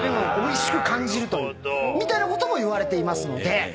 みたいなこともいわれていますので。